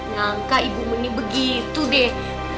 nyangka ibu menik begitu deh